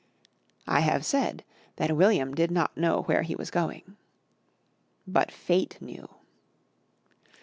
I have said that William did not know where he was going. _But Fate knew.